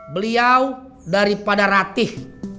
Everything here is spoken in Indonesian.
beliau daripada ratih